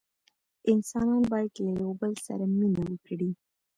انسانان باید له یوه بل سره مینه وکړي.